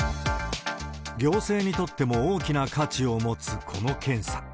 行政にとっても大きな価値を持つこの検査。